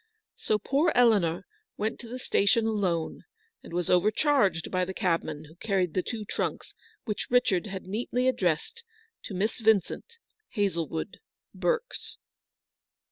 So poor Eleanor went to the station alone, and was overcharged by the cabman who carried the two trunks which Richard had neatly addressed to Miss Vincent, Hazlewood, Berks.